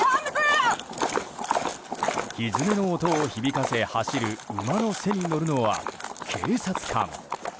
ひづめの音を響かせ走る馬の背に乗るのは警察官。